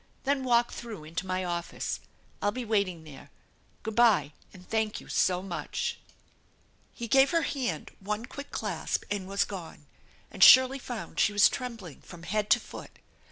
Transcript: Then walk through into my office. I'll be waiting there. G ood by, and thank you so much !" He gave her hand one quick clasp and was gone, and Shirley found she was trembling from head to foot.